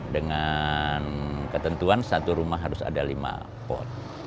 dengan ketentuan satu rumah harus ada lima pot